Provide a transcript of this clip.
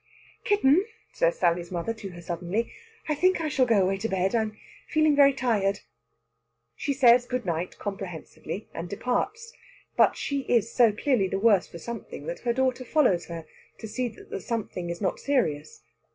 "Kitten," says Sally's mother to her suddenly, "I think I shall go away to bed. I'm feeling very tired." She says good night comprehensively, and departs. But she is so clearly the worse for something that her daughter follows her to see that the something is not serious.